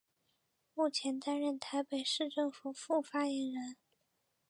目前担任台北市政府副发言人。